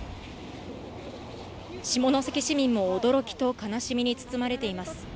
下関市民も、驚きと悲しみに包まれています。